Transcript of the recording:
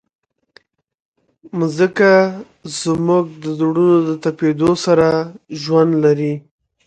مځکه زموږ د زړونو د تپېدو سره ژوند لري.